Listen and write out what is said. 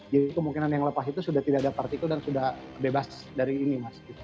jadi kemungkinan yang lepas itu sudah tidak ada partikel dan sudah bebas dari ini